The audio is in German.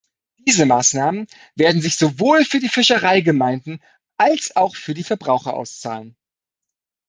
Diese Maßnahmen werden sich sowohl für die Fischereigemeinden als auch für die Verbraucher auszahlen.